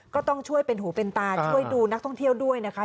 ก็ต้องช่วยเป็นหูเป็นตาช่วยดูนักท่องเที่ยวด้วยนะคะ